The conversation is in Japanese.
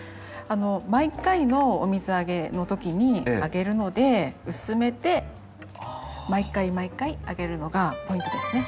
毎回のお水あげの時にあげるので薄めて毎回毎回あげるのがポイントですね。